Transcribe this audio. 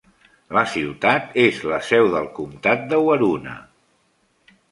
La ciutat és la seu del comtat de Waroona.